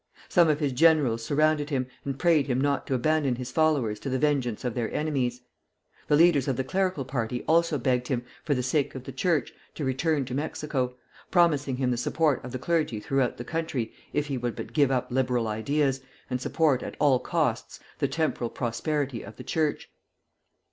Some of his generals surrounded him, and prayed him not to abandon his followers to the vengeance of their enemies. The leaders of the clerical party also begged him, for the sake of the Church, to return to Mexico, promising him the support of the clergy throughout the country if he would but give up liberal ideas, and support, at all costs, the temporal prosperity of the Church.